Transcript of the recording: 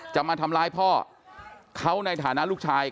จะมาทำร้ายพ่อเขาในฐานะลูกชาย